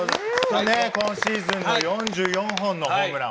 今シーズン４４本のホームラン。